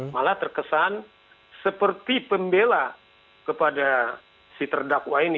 malah terkesan seperti pembela kepada si terdakwa ini